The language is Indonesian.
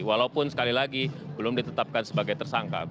walaupun sekali lagi belum ditetapkan sebagai tersangka